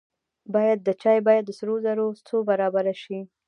باید د چای بیه د سرو زرو څو برابره شي.